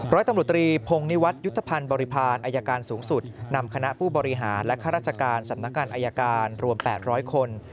ร้อยตำรวจตรีพงนิวัฒนยุทธภัณฑ์บริพาณอายการสูงสุดนำคณะผู้บริหารและข้าราชการสำนักงานอายการรวม๘๐๐คน